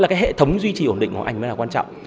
với cái hệ thống duy trì ổn định của anh mới là quan trọng